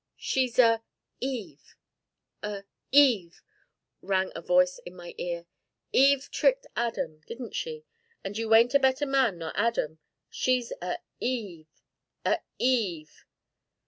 "She's a Eve a Eve!" rang a voice in my ear; "Eve tricked Adam, didn't she, and you ain't a better man nor Adam; she's a Eve a Eve!"